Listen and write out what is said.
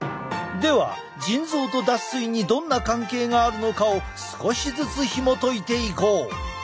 では腎臓と脱水にどんな関係があるのかを少しずつひもといていこう。